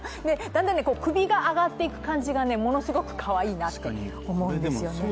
だんだん首が上がっていく感じがものすごくかわいいなと思うんですよね。